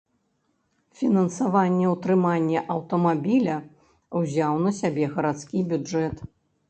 Фінансаванне ўтрымання аўтамабіля ўзяў на сябе гарадскі бюджэт.